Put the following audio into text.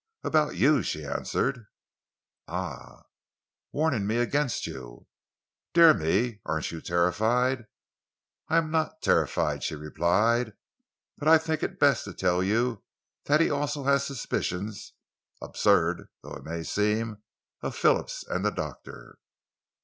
"About you," she answered. "Ah!" "Warning me against you." "Dear me! Aren't you terrified?" "I am not terrified," she replied, "but I think it best to tell you that he also has suspicions, absurd though it may seem, of Phillips and the doctor."